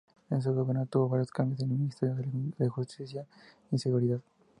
En su gobierno tuvo varios cambios en el Ministerio de Justicia y Seguridad.